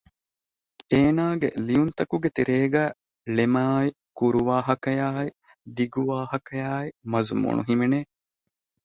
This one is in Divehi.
އޭނާގެ ލިޔުންތަކުގެ ތެރޭގައި ޅެމާއި ކުރުވާހަކައާއި ދިގު ވާހަކަޔާއި މަޒުމޫނު ހިމެނެ